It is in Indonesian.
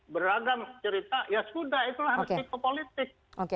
beragam cerita ya sudah itulah politik